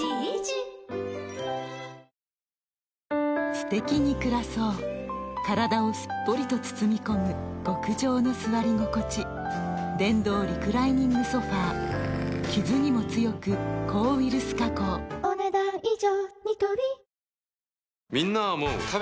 すてきに暮らそう体をすっぽりと包み込む極上の座り心地電動リクライニングソファ傷にも強く抗ウイルス加工お、ねだん以上。